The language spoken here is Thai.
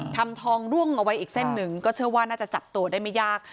ทำทองร่วงเอาไว้อีกเส้นหนึ่งก็เชื่อว่าน่าจะจับตัวได้ไม่ยาก